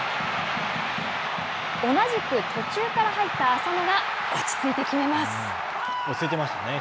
同じく途中から入った浅野が落ち着いて決めます。